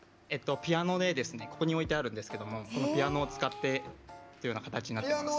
ここに置いてあるんですけどこのピアノを使ってっていう形になってます。